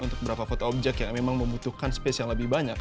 untuk berapa foto objek yang memang membutuhkan space yang lebih banyak